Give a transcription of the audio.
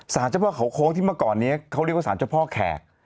เจ้าพ่อเขาโค้งที่เมื่อก่อนนี้เขาเรียกว่าสารเจ้าพ่อแขก